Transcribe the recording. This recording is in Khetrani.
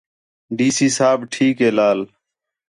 ڈی سی صاحب ٹھیک ہے لال